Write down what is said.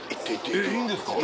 えっいいんですか。